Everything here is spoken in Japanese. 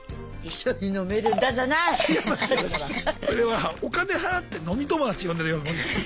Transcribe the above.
それはお金払って飲み友達呼んでるようなもんです。